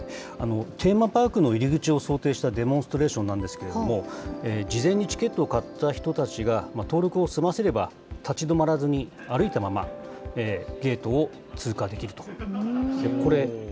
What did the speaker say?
テーマパークの入り口を想定したデモンストレーションなんですけれども、事前にチケットを買った人たちが登録を済ませれば、立ち止まらずに歩いたまま、ゲートを通過できると。